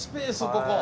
ここ。